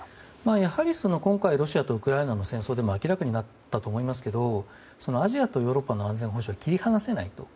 やはり今回ロシアとウクライナの戦争でも明らかになったと思いますけどアジアとヨーロッパの安全保障は切り離せないと。